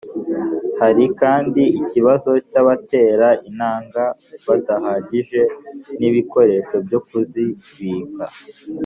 Hari kandi ikibazo cy‘abatera intanga badahagije n’ibikoresho byo kuzibik